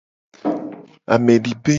Amedipe.